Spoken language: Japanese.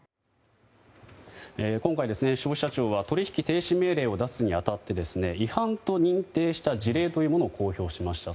今回、消費者庁は取引停止命令を出すにあたって違反と認定した事例を公表しました。